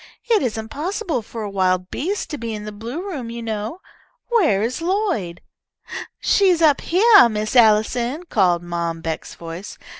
It isn't possible for a wild beast to be in the blue room you know. Where is Lloyd?" "She's up heah, Miss Allison," called Mom Beck's voice.